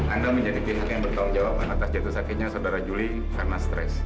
anda menjadi pihak yang bertanggung jawab atas jatuh sakitnya saudara juli karena stres